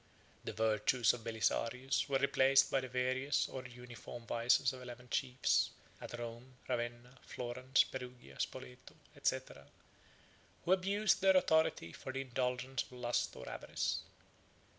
8 The virtues of Belisarius were replaced by the various or uniform vices of eleven chiefs, at Rome, Ravenna, Florence, Perugia, Spoleto, &c., who abused their authority for the indulgence of lust or avarice.